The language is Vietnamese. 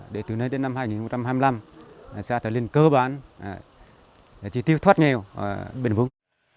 để từ nay đến năm hai nghìn hai mươi năm xã trà linh cơ bản chỉ tiêu thoát nghèo bền vững